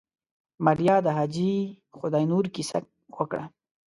ماريا د حاجي خداينور کيسه وکړه.